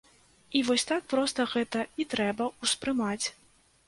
І вось так проста гэта і трэба ўспрымаць.